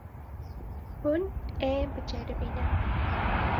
Hûn ê biceribînin.